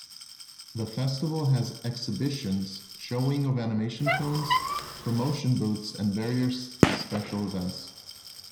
The festival has exhibitions, showing of animation films, promotion booths and various special events.